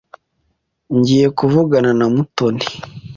Ngiye kuvugana na Mutoni.